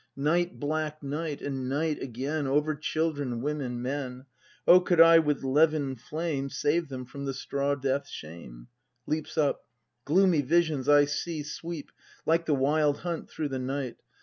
Night, black night,— and night again Over children, women, men! O could I with levin flame Save them from the straw death's shame ! [Leaps up.] Gloomy visions I see sweep Like the Wild Hunt through the night.